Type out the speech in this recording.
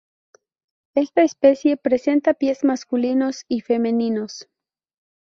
Esta especie presenta pies masculinos y femeninos.